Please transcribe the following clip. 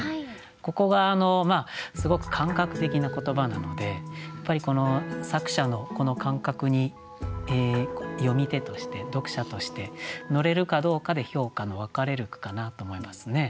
ここがすごく感覚的な言葉なので作者のこの感覚に読み手として読者として乗れるかどうかで評価の分かれる句かなと思いますね。